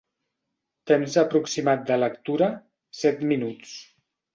Temps aproximat de lectura: set minuts.